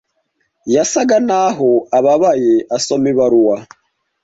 Yasaga naho ababaye asoma ibaruwa.